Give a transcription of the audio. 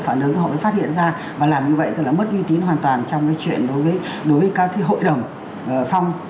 phản ứng họ mới phát hiện ra và làm như vậy tức là mất uy tín hoàn toàn trong cái chuyện đối với các cái hội đồng phong